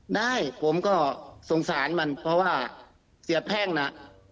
ได้ผมก็สงสารมันเพราะว่าเสียแพ่งน่ะ